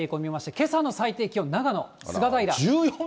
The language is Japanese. けさの最低気温、長野・菅平。